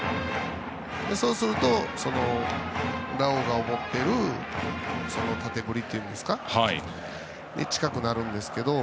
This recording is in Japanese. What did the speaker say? そうするとラオウが思ってる縦振りに近くなるんですけど。